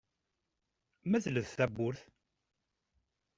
Medlet tawwurt.